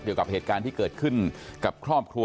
เกี่ยวกับเหตุการณ์ที่เกิดขึ้นกับครอบครัว